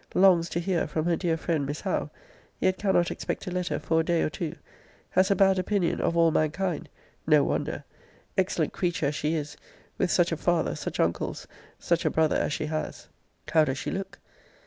Longs to hear from her dear friend Miss Howe yet cannot expect a letter for a day or two. Has a bad opinion of all mankind. No wonder! Excellent creature as she is! with such a father, such uncles, such a brother, as she has! How does she look?